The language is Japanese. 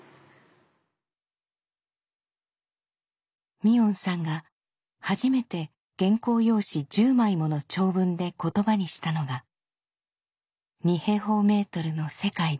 海音さんが初めて原稿用紙１０枚もの長文で言葉にしたのが「二平方メートルの世界で」。